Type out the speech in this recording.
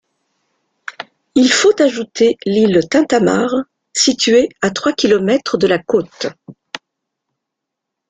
Il faut ajouter l'île Tintamarre située à trois kilomètres de la côte.